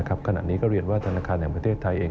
ขณะนี้ก็เรียนว่าธนาคารแห่งประเทศไทยเอง